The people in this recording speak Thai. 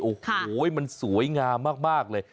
โอ้โหมันสวยงามมากเลย